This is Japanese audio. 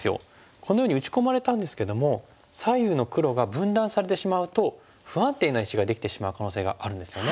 このように打ち込まれたんですけども左右の黒が分断されてしまうと不安定な石ができてしまう可能性があるんですよね。